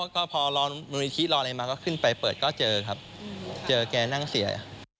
ก็พอเราโมมือที่รอในมาก็ขึ้นไปเปิดก็เจอครับเจอแกนั่งเสีย